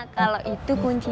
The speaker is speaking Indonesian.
kalau itu kuncinya